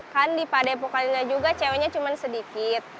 kan di pad pokalinia juga ceweknya cuma sedikit